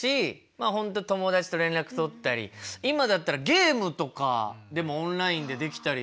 本当に友達と連絡取ったり今だったらゲームとかでもオンラインでできたりしますけど。